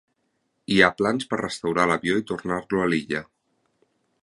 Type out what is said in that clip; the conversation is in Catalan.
Hi ha plans per restaurar l'avió i tornar-lo a l'illa.